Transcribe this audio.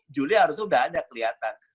juli harusnya sudah ada kelihatan